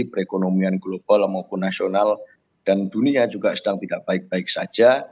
perekonomian global maupun nasional dan dunia juga sedang tidak baik baik saja